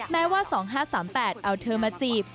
แม้ว่า๒๕๓๘เอาเธอมาจีบ